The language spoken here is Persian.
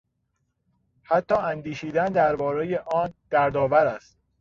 حتی اندیشیدن دربارهی آن دردآور است.